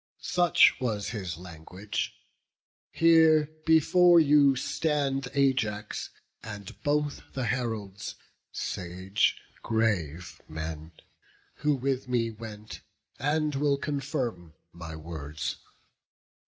Such was his language; here before you stand Ajax and both the heralds, sage, grave men, Who with me went, and will confirm my words.